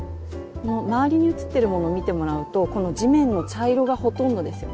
周りに写ってるものを見てもらうとこの地面の茶色がほとんどですよね。